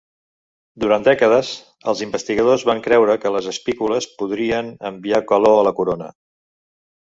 Durant dècades, els investigadors van creure que les espícules podrien enviar calor a la corona.